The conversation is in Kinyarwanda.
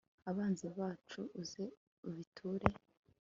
abanzi bacu uze ubiture